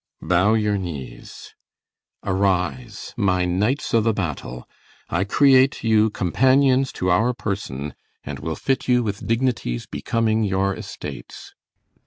CYMBELINE. Bow your knees. Arise my knights o' th' battle; I create you Companions to our person, and will fit you With dignities becoming your estates.